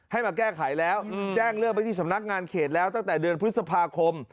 ให้มาแก้ไขแล้วแจ้งเรื่องไปที่สำนักงานเขตแล้วตั้งแต่เดือนพฤษภาคม